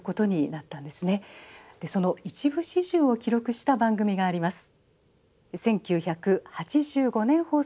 その一部始終を記録した番組があります。